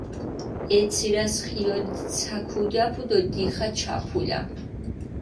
ე ცირასჷ ხიოლით ცა ქუდი აფუ დო დიხა ჩაფულა.